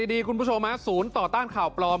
ฟังดีคุณผู้ชมว่าสูญต่อต้านข่าวปลอม